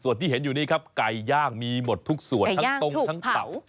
ส่วนที่เห็นอยู่นี้ครับไก่ย่างมีหมดทุกส่วนทั้งตรงทั้งเตา